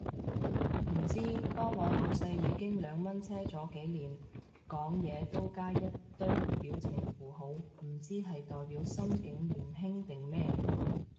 唔知，當我老細已經兩蚊車咗幾年，講嘢都加一堆表情符號，唔知係代表心境年輕定咩